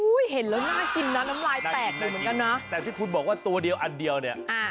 เห็นแล้วน่ากินนะน้ำลายแตกเลยเหมือนกันนะแต่ที่คุณบอกว่าตัวเดียวอันเดียวเนี่ยอ่า